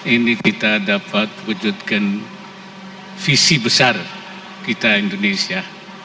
ini kita dapat wujudkan visi besar kita indonesia